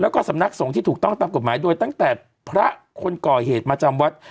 แล้วก็สำนักสงฆ์ที่ถูกต้องตามกฎหมายโดยตั้งแต่พระคนก่อเหตุมาจำวัด